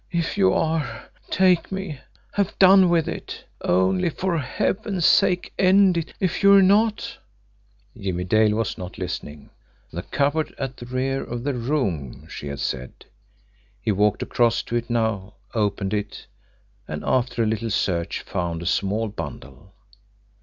If you are, take me, have done with it! Only for Heaven's sake end it! If you're not " Jimmie Dale was not listening. "The cupboard at the rear of the room," she had said. He walked across to it now, opened it, and, after a little search, found a small bundle.